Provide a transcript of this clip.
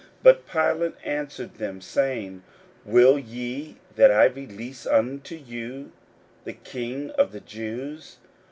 41:015:009 But Pilate answered them, saying, Will ye that I release unto you the King of the Jews?